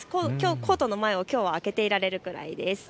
コートの前をきょうは開けていられるくらいです。